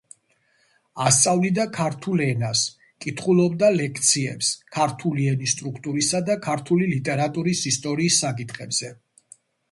ასწავლიდა ქართულ ენას, კითხულობდა ლექციებს ქართული ენის სტრუქტურისა და ქართული ლიტერატურის ისტორიის საკითხებზე.